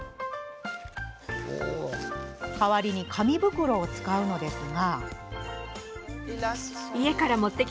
代わりに紙袋を使うんですが。